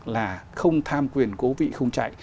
là không tham quyền cố vị không chạy